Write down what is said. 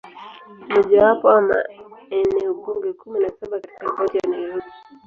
Ni mojawapo wa maeneo bunge kumi na saba katika Kaunti ya Nairobi.